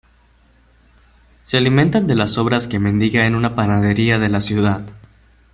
Se alimentan de las sobras que mendiga en una panadería de la ciudad.